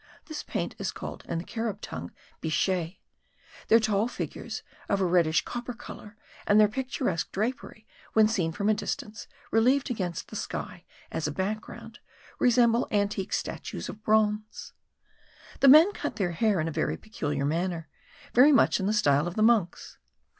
This paint is called in the Carib tongue, bichet.) their tall figures, of a reddish copper colour, and their picturesque drapery, when seen from a distance, relieved against the sky as a background, resemble antique statues of bronze. The men cut their hair in a very peculiar manner, very much in the style of the monks.